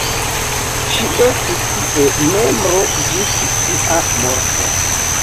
Ŝi estis tie membro ĝis sia morto.